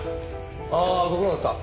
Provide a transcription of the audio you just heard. ああご苦労だった。